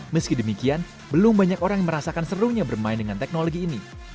meski demikian belum banyak orang yang merasakan serunya bermain dengan teknologi ini